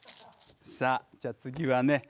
さあじゃあ次はね